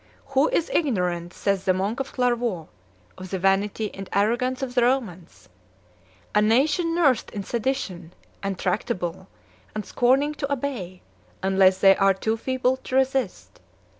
16 "Who is ignorant," says the monk of Clairvaux, "of the vanity and arrogance of the Romans? a nation nursed in sedition, untractable, and scorning to obey, unless they are too feeble to resist.